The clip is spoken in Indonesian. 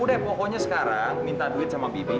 udah pokoknya sekarang minta duit sama pipi